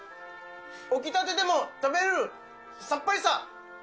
起きたてでも食べれる、さっぱりさ。